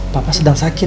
papa sedang sakit